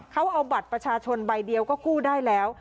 เขาเอาบัตรประชาชนใบเดียวก็กู้ได้แล้ว